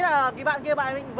đây là tiếng tiếc của hai người